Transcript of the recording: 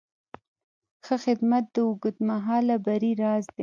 ښه خدمت د اوږدمهاله بری راز دی.